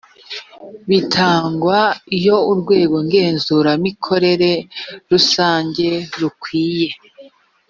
bitangwa iyo urwego ngenzuramikorere rusanze rukwiye